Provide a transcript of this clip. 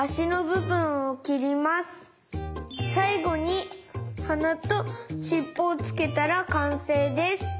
さいごにはなとしっぽをつけたらかんせいです。